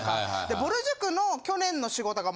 ぼる塾の。